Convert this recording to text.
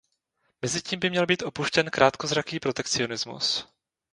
Mezitím by měl být opuštěn krátkozraký protekcionismus.